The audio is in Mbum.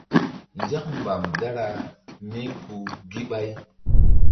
Nzak mbam dara míku gíɓay.